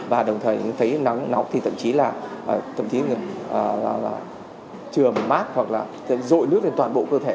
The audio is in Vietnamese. và đồng thời thấy nắng nóng thì tậm chí là trường mát hoặc là dội nước lên toàn bộ cơ thể